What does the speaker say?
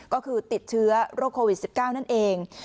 ก็คือติดเชื้อโรคโควิด๑๙นั่นเอง